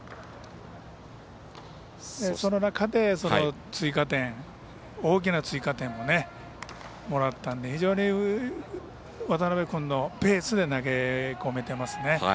その中で、大きな追加点をもらったんで、非常に渡邊君のペースで投げ込めていますね。